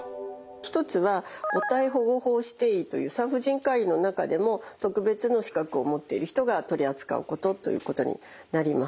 一つは母体保護法指定医という産婦人科医の中でも特別の資格を持っている人が取り扱うことということになります。